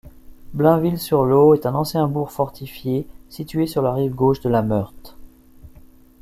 Blainville-sur-l'Eau est un ancien bourg fortifié, situé sur la rive gauche de la Meurthe.